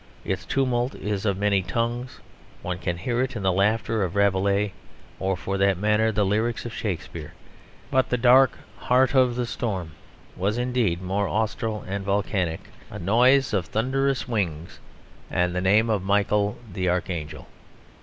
Its tumult is of many tongues; one can hear in it the laughter of Rabelais, or, for that matter, the lyrics of Shakespeare; but the dark heart of the storm was indeed more austral and volcanic; a noise of thunderous wings and the name of Michael the Archangel.